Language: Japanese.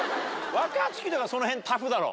若槻とかその辺タフだろ？